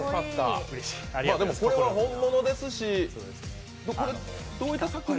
これは本物ですし、これはどういった作品？